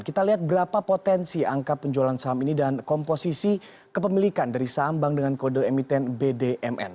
kita lihat berapa potensi angka penjualan saham ini dan komposisi kepemilikan dari saham bank dengan kode emiten bdmn